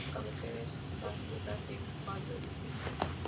Su cabecera es la ciudad de Valladolid.